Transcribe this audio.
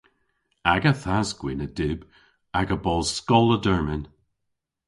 Aga thas-gwynn a dyb aga bos skoll a dermyn.